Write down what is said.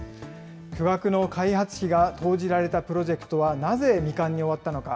巨額の開発費が投じられたプロジェクトはなぜ未完に終わったのか。